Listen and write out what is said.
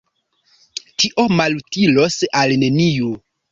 Tio malutilos al neniu.